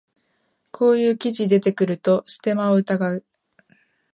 こういう記事出てくるとステマを疑う